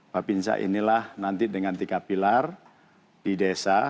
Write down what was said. pak pinsa inilah nanti dengan tiga pilar di desa